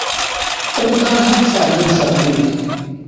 خپل ځان هم سالم ساتي.